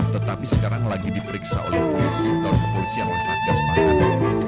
tetapi sekarang lagi diperiksa oleh polisi dan kepolisian masyarakat semangat